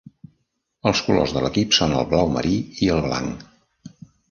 Els colors de l'equip són el blau marí i el blanc.